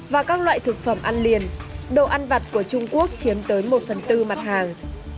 và các loại thực phẩm ăn liền đồ ăn vặt của trung quốc chiếm tới một phần tư mặt hàng